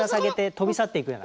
飛び去っていくような。